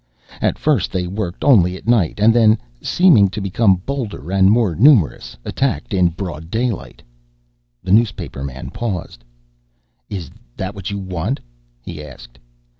"At first they worked only at night and then, seeming to become bolder and more numerous, attacked in broad daylight." The newspaperman paused. "Is that what you want?" he asked.